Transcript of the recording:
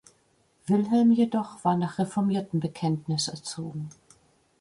Wilhelm jedoch war nach reformiertem Bekenntnis erzogen.